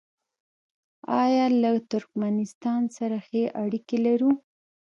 آیا له ترکمنستان سره ښې اړیکې لرو؟